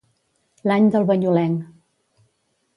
L'any del banyulenc.